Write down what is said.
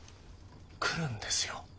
来るんですよ。